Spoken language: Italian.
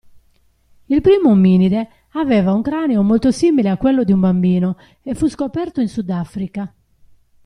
Il primo ominide aveva un cranio molto simile a quello di un bambino e fu scoperto in Sud Africa.